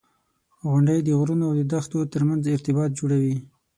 • غونډۍ د غرونو او دښتو ترمنځ ارتباط جوړوي.